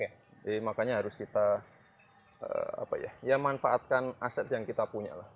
jadi makanya harus kita ya manfaatkan aset yang kita punya lah